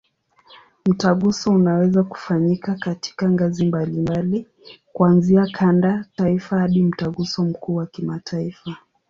Mtaguso unaweza kufanyika katika ngazi mbalimbali, kuanzia kanda, taifa hadi Mtaguso mkuu wa kimataifa.